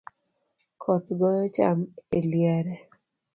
Koth goyo cham eliare